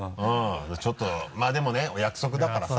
ちょっとまぁでもねお約束だからさ。